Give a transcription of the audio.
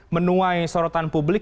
menuai sorotan publik